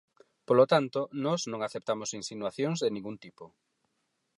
Polo tanto, nós non aceptamos insinuacións de ningún tipo.